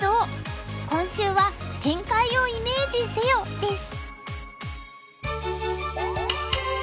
今週は「展開をイメージせよ」です。